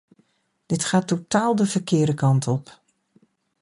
Dit gaat totaal de verkeerde kant op.